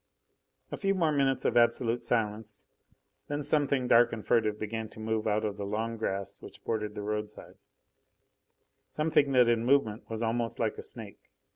A few more minutes of absolute silence, then something dark and furtive began to move out of the long grass which bordered the roadside something that in movement was almost like a snake.